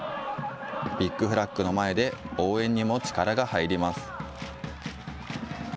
ビッグフラッグの前で応援にも力が入ります。